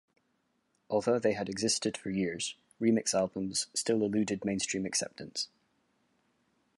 Although they had existed for years, remix albums still eluded mainstream acceptance.